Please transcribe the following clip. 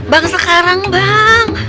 bang sekarang bang